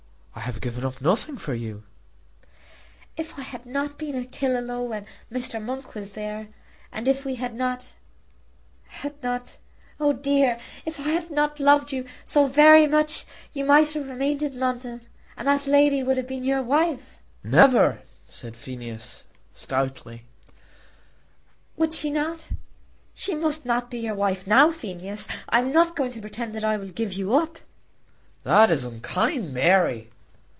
"I have given up nothing for you." "If I had not been at Killaloe when Mr. Monk was here, and if we had not, had not, oh dear, if I had not loved you so very much, you might have remained in London, and that lady would have been your wife." "Never!" said Phineas stoutly. "Would she not? She must not be your wife now, Phineas. I am not going to pretend that I will give you up." "That is unkind, Mary."